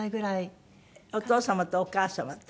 お父様とお母様と？